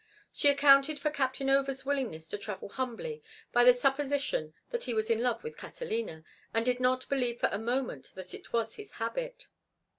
She accounted for Captain Over's willingness to travel humbly by the supposition that he was in love with Catalina, and did not believe for a moment that it was his habit.